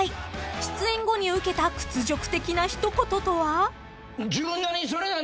［出演後に受けた屈辱的な一言とは？］